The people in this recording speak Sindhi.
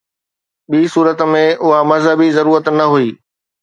ٻي صورت ۾ اها مذهبي ضرورت نه هئي.